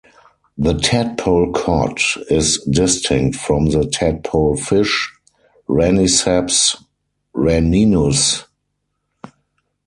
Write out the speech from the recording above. The tadpole cod is distinct from the tadpole fish, "Raniceps raninus".